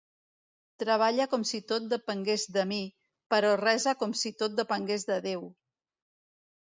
Treballa com si tot depengués de mi, però resa com si tot depengués de Déu.